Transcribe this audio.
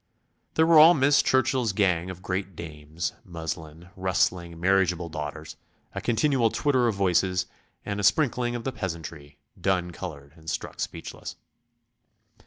There were all Miss Churchill's gang of great dames, muslin, rustling, marriageable daughters, a continual twitter of voices, and a sprinkling of the peasantry, dun coloured and struck speechless.